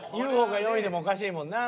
Ｕ．Ｆ．Ｏ．が４位でもおかしいもんな。